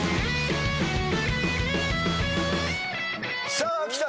さあきた。